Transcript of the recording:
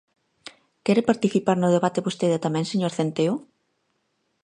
¿Quere participar no debate vostede tamén, señor Centeo?